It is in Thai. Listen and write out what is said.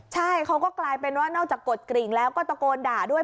ใช่เขาก็กลายเป็นว่านอกจากกดกริ่งแล้วก็ตะโกนด่าด้วย